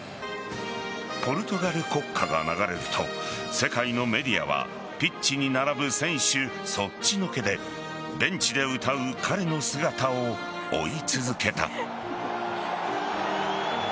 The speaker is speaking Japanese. ポルトガル国歌が流れると世界のメディアはピッチに並ぶ選手そっちのけでベンチで歌う彼の姿を追い続けた。